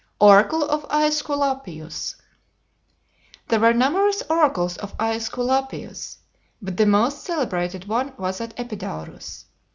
ORACLE OF AESCULAPIUS There were numerous oracles of Aesculapius, but the most celebrated one was at Epidaurus.